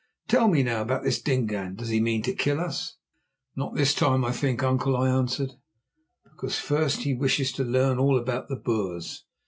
Tell me, now, about this Dingaan; does he mean to kill us?" "Not this time, I think, uncle," I answered; "because first he wishes to learn all about the Boers.